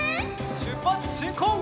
しゅっぱつしんこう！